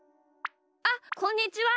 あっこんにちは。